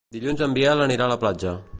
Dilluns en Biel anirà a la platja.